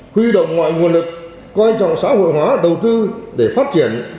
huy động ngoại nguồn lực quan trọng xã hội hóa đầu tư để phát triển